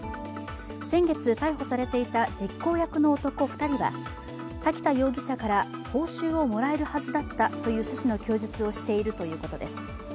先月逮捕されていた実行役の男２人は瀧田容疑者から報酬をもらえるはずだったという趣旨の供述をしているということです。